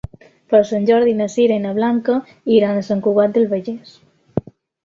Per Sant Jordi na Sira i na Blanca iran a Sant Cugat del Vallès.